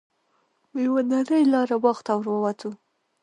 په یوه نرۍ لاره باغ ته ور ووتو.